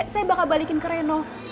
saya bakal balikin ke reno